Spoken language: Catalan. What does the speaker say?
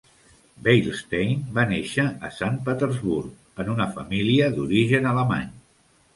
Beilstein va néixer a Sant Petersburg, en una família d'origen alemany.